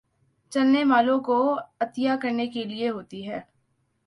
چلنے والوں کوعطیہ کرنے کے لیے ہوتی ہے